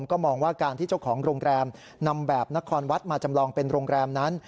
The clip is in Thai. ก็มองว่าการที่เจ้าของโรงแรมนำแบบนครวัดมาจำลองเป็นโรงแรมนั้น